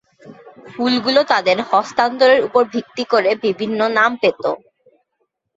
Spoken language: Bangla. ফুলগুলো তাদের হস্তান্তরের উপর ভিত্তি করে বিভিন্ন নাম পেত।